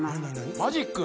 マジック？